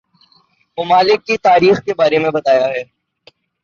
ممالک کی تاریخ کے بارے میں بتایا ہے